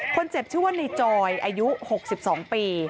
คนเจ็บชื่อว่าในจอยอายุ๖๒ปี